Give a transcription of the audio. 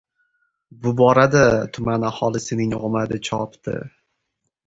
Bu borada tuman aholisining omadi chopdi.